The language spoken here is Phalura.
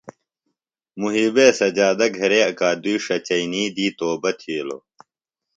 محیبے سجادہ گھرے اکادئی ݜچئینی دی توبہ تِھلوۡ۔